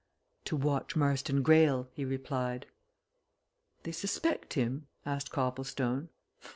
"To watch Marston Greyle," he replied. "They suspect him?" asked Copplestone.